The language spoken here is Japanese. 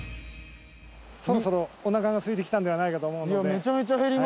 そろそろおなかがすいてきたんではないかと思うので。